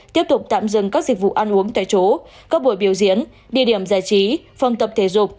tiếp tục tạm dừng các dịch vụ ăn uống tại chỗ các buổi biểu diễn địa điểm giải trí phòng tập thể dục